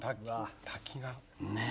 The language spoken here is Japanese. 滝が。ねえ？